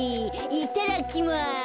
いただきます。